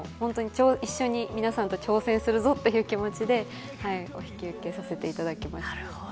皆さんと一緒に挑戦するぞという気持ちでお引き受けさせていただきました。